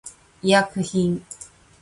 医薬品